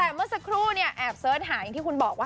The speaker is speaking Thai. แต่เมื่อสักครู่เนี่ยแอบเสิร์ชหาอย่างที่คุณบอกว่า